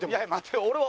俺は。